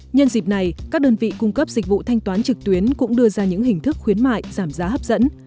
nhân dịp này các đơn vị cung cấp dịch vụ thanh toán trực tuyến cũng đưa ra những hình thức khuyến mại giảm giá hấp dẫn